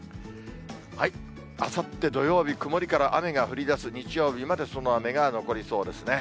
あさって土曜日、曇りから雨が降りだす、日曜日までその雨が残りそうですね。